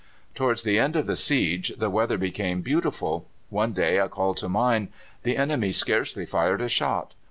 "Towards the end of the siege the weather became beautiful. One day I call to mind the enemy scarcely fired a shot.